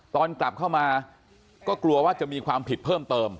ตอนกลับเข้ามาก็กลัวว่าจะมีความผิดเพิ่มเติม